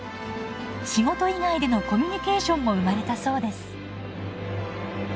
仕事以外でのコミュニケーションも生まれたそうです。